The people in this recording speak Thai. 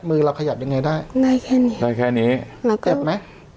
มือเราขยับยังไงได้ได้แค่นี้ได้แค่นี้เราเจ็บไหม